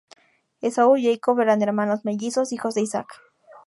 Esaú y Jacob eran hermanos mellizos, hijos de Isaac.